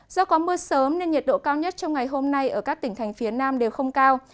do có mưa sớm nên nhiệt độ cao nhất trong ngày hôm nay ở các tỉnh thành phía nam đều không cao